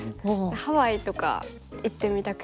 ハワイとか行ってみたくて。